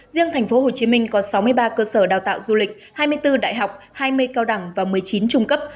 riêng tp hcm có sáu mươi ba cơ sở đào tạo du lịch hai mươi bốn đại học hai mươi cao đẳng và một mươi chín trung cấp